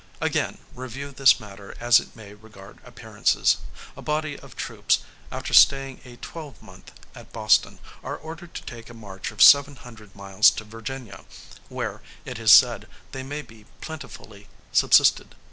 Again; review this matter as it may regard appearances. A body of troops, after staying a twelvemonth at Boston, are ordered to take a march of seven hundred miles to Virginia, where, it is said, they may be plentifully subsisted.